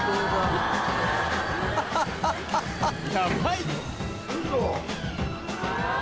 ヤバい。